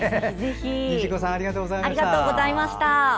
虹子さんありがとうございました。